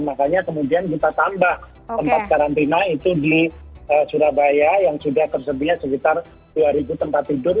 makanya kemudian kita tambah tempat karantina itu di surabaya yang sudah tersedia sekitar dua tempat tidur